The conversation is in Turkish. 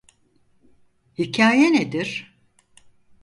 Hikaye nedir?